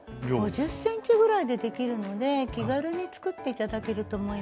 ５０ｃｍぐらいでできるので気軽に作って頂けると思います。